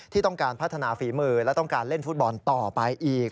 ที่ต้องการพัฒนาฝีมือและต้องการเล่นฟุตบอลต่อไปอีก